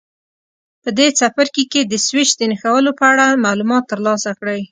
په دې څپرکي کې د سویچ د نښلولو په اړه معلومات ترلاسه کړئ.